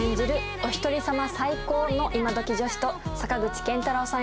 おひとり様最高の今ドキ女子と坂口健太郎さん